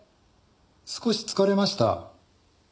少し疲れました。